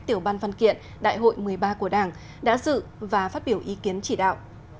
tiểu ban văn kiện đại hội một mươi ba của đảng đã dự và phát biểu ý kiến chỉ đạo